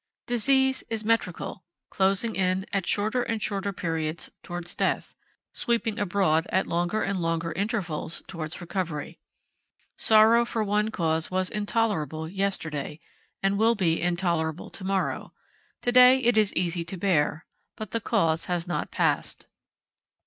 Disease is metrical, closing in at shorter and shorter periods towards death, sweeping abroad at longer and longer intervals towards recovery. Sorrow for one cause was intolerable yesterday, and will be intolerable tomorrow; today it is easy to bear, but the cause has not passed.